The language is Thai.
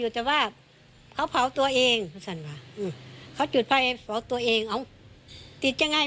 จากนั้นเขาก็ว่าเขาอยู่นู้น